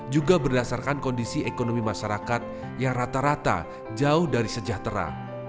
juga berdasarkan kondisi ekonomi masyarakat yang rata rata jauh dari sejahtera